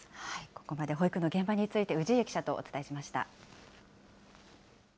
ここまで保育の現場について、氏家記者とお伝えしました。